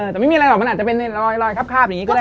แต่ไม่มีอะไรหรอกมันอาจจะเป็นรอยคาบอย่างนี้ก็ได้